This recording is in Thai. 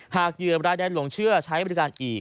เหยื่อรายใดหลงเชื่อใช้บริการอีก